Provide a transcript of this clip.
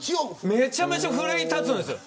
めちゃめちゃ奮い立つんですよ